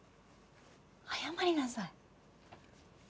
謝りなさい。